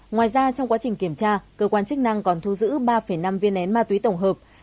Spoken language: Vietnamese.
ngoài ra trong quá trình kiểm tra cơ quan chức năng còn thu giữ ba năm viên nén ma túy tổng hợp